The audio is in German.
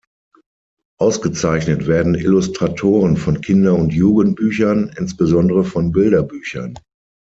Ausgezeichnet werden Illustratoren von Kinder- und Jugendbüchern, insbesondere von Bilderbüchern.